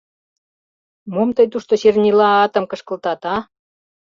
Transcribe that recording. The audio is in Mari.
— Мом тый тушто чернилаатым кышкылтат, а?